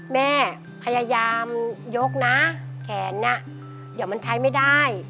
แม่พยายามยกนะแขนน่ะเดี๋ยวมันใช้ไม่ได้